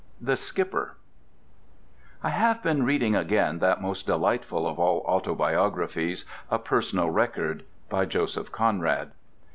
THE SKIPPER I have been reading again that most delightful of all autobiographies, "A Personal Record," by Joseph Conrad.